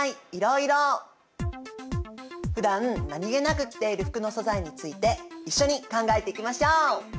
ふだん何気なく着ている服の素材について一緒に考えていきましょう。